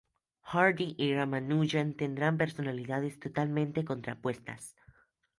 Hardy y Ramanujan tenían personalidades totalmente contrapuestas.